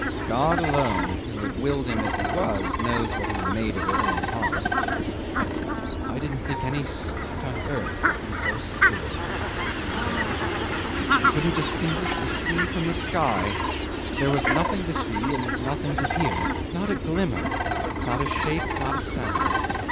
God alone, who had willed him as he was, knows what he made of it in his heart. "I didn't think any spot on earth could be so still," he said. "You couldn't distinguish the sea from the sky; there was nothing to see and nothing to hear. Not a glimmer, not a shape, not a sound.